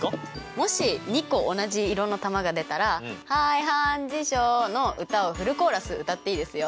もし２個同じ色の球が出たら「はいはんじしょう」の歌をフルコーラス歌っていいですよ。